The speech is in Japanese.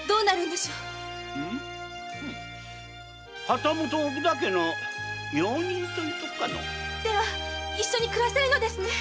旗本奥田家の用人という事かの。では一緒に暮らせるのですね。